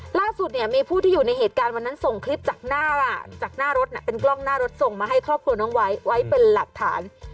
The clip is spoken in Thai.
ล่าสุดเนี่ยมีผู้ที่อยู่ในเหตุการณ์วันนั้นส่งคลิปจากหน้าจากหน้ารถเป็นกล้องหน้ารถส่งมาให้ครอบครัวน้องไว้ไว้เป็นหลักฐาน